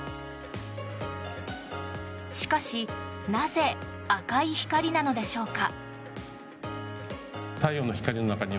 しかしなぜ赤い光なのでしょうか。